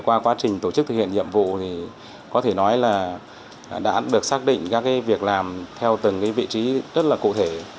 qua quá trình tổ chức thực hiện nhiệm vụ thì có thể nói là đã được xác định các việc làm theo từng vị trí rất là cụ thể